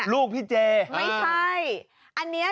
ลูกพี่เจ๊ไม่ใช่